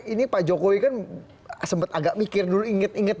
ini pak jokowi kan sempat agak mikir dulu inget inget